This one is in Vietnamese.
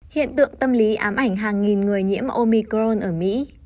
hiện tượng tâm lý ám ảnh hàng nghìn người nhiễm omicron ở mỹ